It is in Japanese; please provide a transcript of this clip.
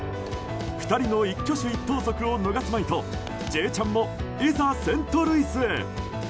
２人の一挙手一投足を逃すまいと「Ｊチャン」もいざセントルイスへ。